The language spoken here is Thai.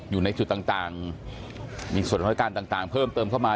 อยู่ในจุดต่างมีส่วนข้อมูลการต่างเพิ่มเติมเข้ามา